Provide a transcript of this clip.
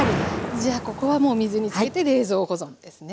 じゃあここはもう水につけて冷蔵保存ですね。